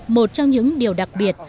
một trong những điều đặc biệt